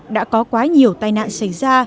đã có quá nhiều tai nạn xảy ra